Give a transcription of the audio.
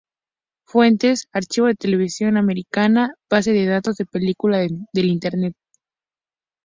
Fuentes: Archivo de Televisión americana; Base de datos de Película del Internet